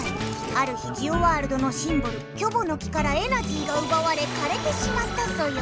ある日ジオワールドのシンボルキョボの木からエナジーがうばわれかれてしまったソヨ。